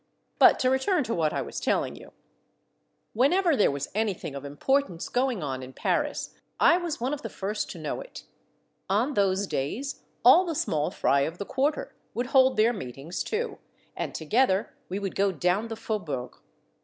But to return to what I was telling you, — The Third Reading, 223 whenever there was anything of importance going on in Paris, I was one of the first to know it. On those days all the small fry of the quarter would hold their meetings too, and together we would go down the faubourg.